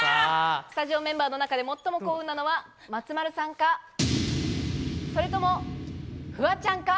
スタジオメンバーの中で最も幸運なのは松丸さんか、そともフワちゃんか？